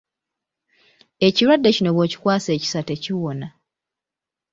Ekirwadde kino bw'okikwasa ekisa tekiwona.